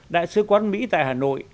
đại sứ quán mỹ tại hà nội